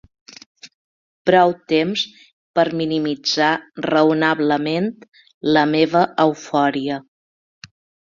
Prou temps per minimitzar raonablement la meva eufòria.